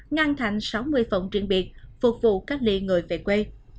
ngang thành sáu mươi phòng truyền biệt phục vụ cách ly người về quê